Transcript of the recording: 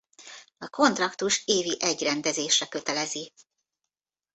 A kontraktus évi egy rendezésre kötelezi.